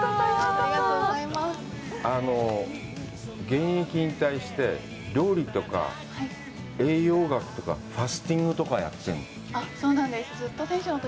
現役を引退して、料理とか栄養学とかファスティングとかやってるの？